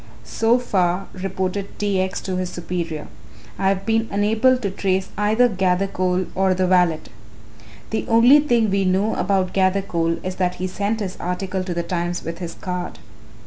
"So far," reported T. X. to his superior, "I have been unable to trace either Gathercole or the valet. The only thing we know about Gathercole is that he sent his article to The Times with his card.